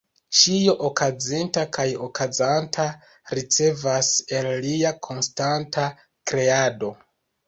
Ĉio okazinta kaj okazanta ricevas el lia konstanta kreado.